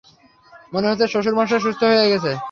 মনে হচ্ছে, শ্বশুর মশাই সুস্থ হয়ে গেছে?